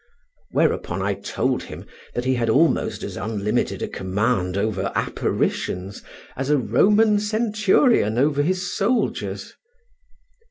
Whereupon I told him that he had almost as unlimited a command over apparitions as a Roman centurion over his soldiers.